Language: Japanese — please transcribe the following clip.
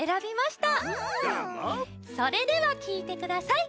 それではきいてください。